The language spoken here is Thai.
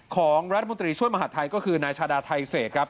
ของรัฐมนตรีช่วยมหาดไทยก็คือนายชาดาไทเศษครับ